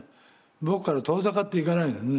僕から遠ざかっていかないんですね。